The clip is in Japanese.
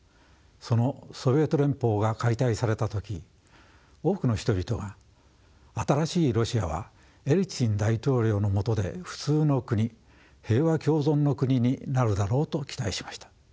そのソビエト連邦が解体された時多くの人々が新しいロシアはエリツィン大統領のもとで普通の国平和共存の国になるだろうと期待しました。